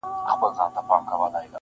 پر نغمو پر زمزمو چپاو راغلى-